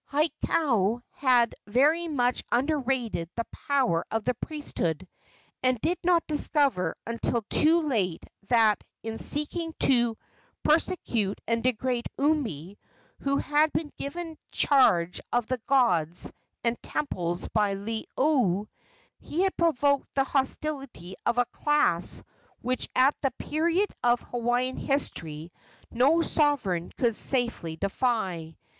Hakau had very much underrated the power of the priesthood, and did not discover until too late that in seeking to persecute and degrade Umi, who had been given charge of the gods and temples by Liloa, he had provoked the hostility of a class which at that period of Hawaiian history no sovereign could safely defy.